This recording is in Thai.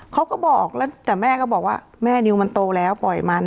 เขาก็บอกแล้วแต่แม่ก็บอกว่าแม่นิวมันโตแล้วปล่อยมัน